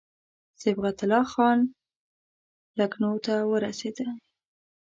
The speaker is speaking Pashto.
صبغت الله خان لکنهو ته ورسېدی.